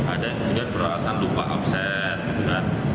ada yang juga berasa lupa absen